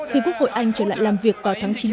khi quốc hội anh sẽ đạt được thỏa thuận